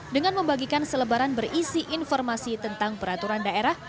dengan membagikan selebaran berisi informasi tentang peraturan daerah